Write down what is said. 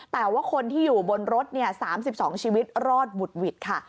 แปลว่าคนที่อยู่บนรถสามสิบสองชีวิตรอดบุตรวิตค่ะ